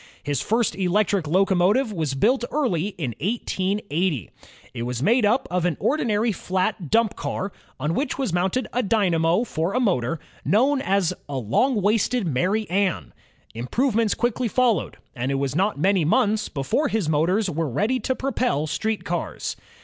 His first electric locomotive was built early in 1880. It was made up of an ordinary flat ELECTRIC ENGINE AND ELECTRIC LOCOMOTIVE 85 dump car, on which was mounted a dynamo for a motor, known as "A Long waisted Mary Ann." Improvements quickly followed, and it was not many months before his motors were ready to propel street cars.